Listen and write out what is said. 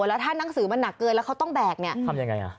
แล้วถ้าหนังสือมันหนักเกินแล้วเขาต้องแบกเนี่ยทำยังไงอ่ะ